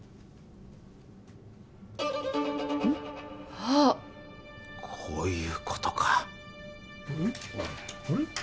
あッこういうことかあれ？